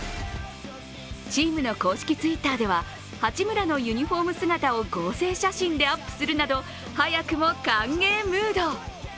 チームの公式Ｔｗｉｔｔｅｒでは八村のユニフォーム姿を合成写真でアップするなど早くも歓迎ムード。